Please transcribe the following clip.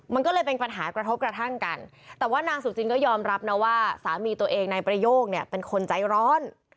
มันก็เลยเป็นปัญหากระทบกระทั่งกันแต่ว่านางสุจินก็ยอมรับนะว่าสามีตัวเองนายประโยคเนี่ยเป็นคนใจร้อน